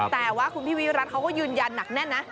แต่ว่าคุณพี่วิรัติเขาก็ยืนยันหนักแน่นนะ